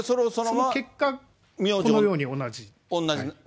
結果、このように同じ。